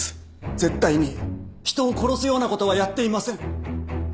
絶対に人を殺すようなことはやっていません。